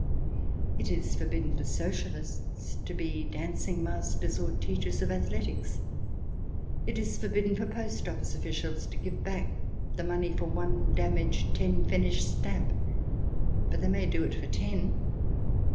It is forbidden for Socialists to be dancing masters. or teachers of athletics. It is for bidden for post ofEce officials to give back the money for one damaged ten pfennig stamp, but they may do it for ten.